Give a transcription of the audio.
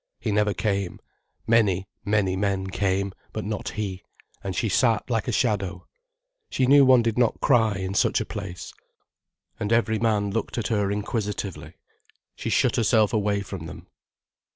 He never came; many, many men came, but not he, and she sat like a shadow. She knew one did not cry in such a place. And every man looked at her inquisitively, she shut herself away from them.